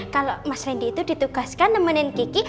kalau mas wendy itu ditugaskan nemenin kiki